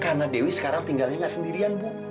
karena dewi sekarang tinggalnya gak sendirian ibu